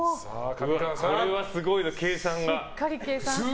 これはすごいぞ、計算が。